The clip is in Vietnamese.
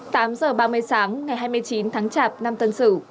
tám h ba mươi sáng ngày hai mươi chín tháng chạp năm tân sử